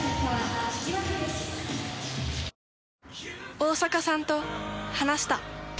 大坂さんと話した。